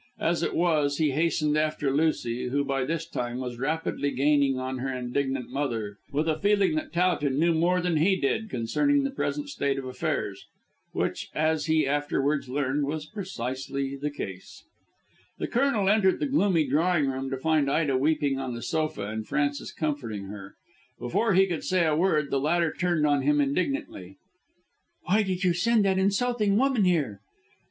As it was, he hastened after Lucy, who by this time was rapidly gaining on her indignant mother, with a feeling that Towton knew more than he did concerning the present state of affairs. Which as he afterwards learned, was precisely the case. The Colonel entered the gloomy drawing room to find Ida weeping on the sofa and Frances comforting her. Before he could say a word, the latter turned on him indignantly. "Why did you send that insulting woman here?"